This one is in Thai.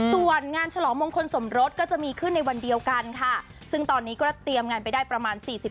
ส่วนงานฉลองมงคลสมรสก็จะมีขึ้นในวันเดียวกันค่ะซึ่งตอนนี้ก็เตรียมงานไปได้ประมาณ๔๐